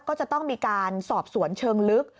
ก็จะต้องมีการสอบสวนเชิงลึก